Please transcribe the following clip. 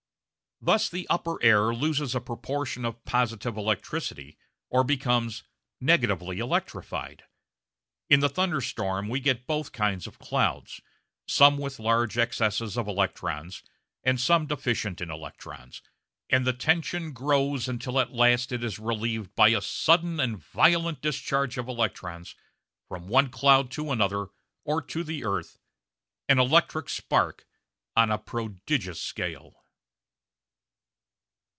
Thus the upper air loses a proportion of positive electricity, or becomes "negatively electrified." In the thunderstorm we get both kinds of clouds some with large excesses of electrons, and some deficient in electrons and the tension grows until at last it is relieved by a sudden and violent discharge of electrons from one cloud to another or to the earth an electric spark on a prodigious scale.